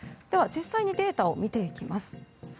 実際にデータを見ていきます。